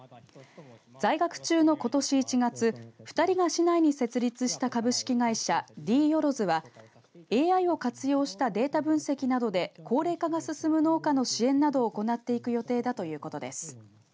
在学中のことし１月２人が市内に設立した株式会社Ｄ−ｙｏｒｏｚｕはＡＩを活用したデータ分析などで高齢化が進む農家の支援などを行っていく予定だということです。